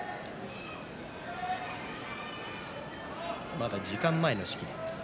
まだ時間前の仕切りです。